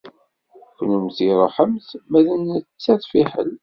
Kennemti ṛuḥemt ma d nettat fiḥel.